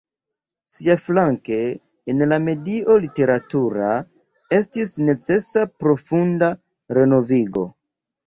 Siaflanke, en la medio literatura estis necesa profunda renovigo.